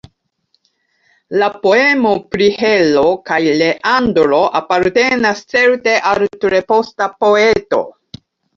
La poemo pri Hero kaj Leandro apartenas certe al tre posta poeto.